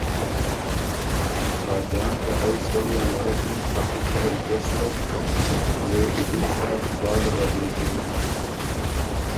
خاجان که ائ سولّی امرکِن ا پِکرل ګستک او زُت ساعت بعده له غوېکِن۔